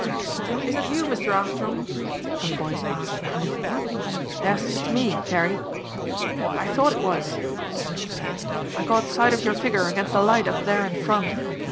"Is that you, Mr. Armstrong?" a voice asked behind him. "Yes, it's me, Carey." "I thought it was," the smith said. "I caught sight of your figure against the light up there in front.